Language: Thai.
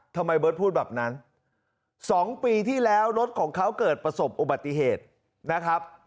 เบิร์ตพูดแบบนั้น๒ปีที่แล้วรถของเขาเกิดประสบอุบัติเหตุนะครับ